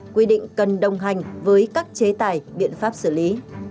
quy định cần đồng hành với các chế tài biện pháp xử lý